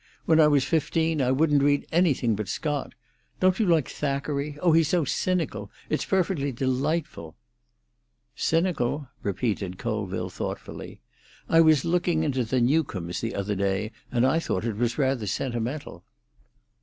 When I was fifteen I wouldn't read anything but Scott. Don't you like Thackeray? Oh, he's so cynical! It's perfectly delightful." "Cynical?" repeated Colville thoughtfully. "I was looking into The Newcomes the other day, and I thought he was rather sentimental."